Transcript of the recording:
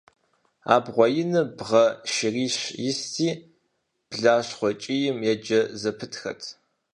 Абгъуэ иным бгъэ шырищ исти, блащхъуэ кӀийм еджэ зэпытхэт.